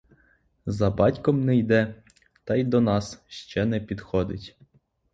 За батьком не йде, та й до нас ще не підходить.